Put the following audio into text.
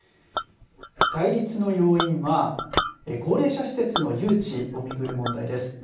対立の要因は高齢者施設の誘致を巡る問題です。